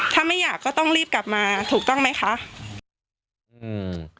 ถ้าไม่อยากก็ต้องรีบกลับมาถูกต้องไหมคะอืม